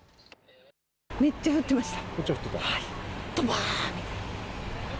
めっちゃ降ってました。